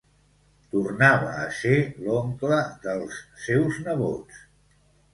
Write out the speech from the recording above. Tornava a ser l’oncle dels seus nebots.